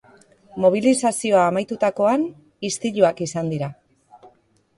Mobilizazioa amaitutakoan, istiluak izan dira.